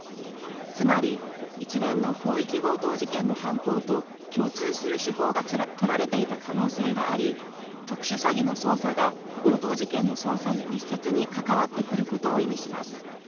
つまり一連の広域強盗事件の犯行と共通する手法が取られていた可能性があり特殊詐欺の捜査が強盗事件の捜査に密接に関わってくることを意味します。